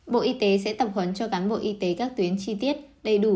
bộ y tế sẽ tập huấn cho cán bộ y tế các tuyến chi tiết đầy đủ